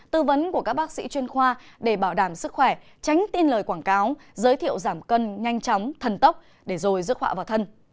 tư vấn của các bác sĩ chuyên khoa để bảo đảm sức khỏe tránh tin lời quảng cáo giới thiệu giảm cân nhanh chóng thần tốc để rồi rước họa vào thân